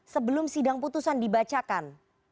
sebelum sidang putusan dibacakan